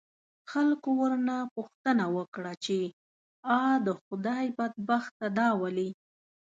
خلکو ورنه پوښتنه وکړه، چې آ د خدای بدبخته دا ولې؟